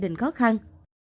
không còn sợ đau